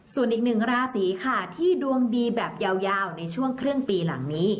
ส่วนอีกหนึ่งราศีค่ะที่ดวงดีแบบยาวในช่วงครึ่งปีหลังนี้